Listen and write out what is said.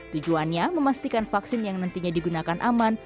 tujuannya memastikan vaksin yang nantinya digunakan aman